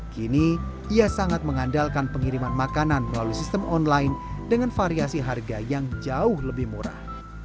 kini ia sangat mengandalkan pengiriman makanan melalui sistem online dengan variasi harga yang jauh lebih murah